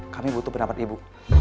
kami butuh pendapat ibu